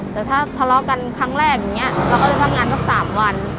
แต่ถ้าทะเลาะกันครั้งแรกอย่างนี้เราก็เลยทำงานสัก๓วัน